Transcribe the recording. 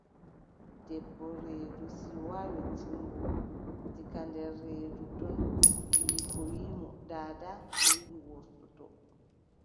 Debbo reedu, siwaa yottingo, diga nder reedu ton ɓiyiiko wiʼi mo: daada mi wurtoto.